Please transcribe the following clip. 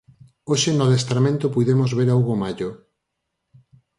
Hoxe no adestramento puidemos ver a Hugo Mallo.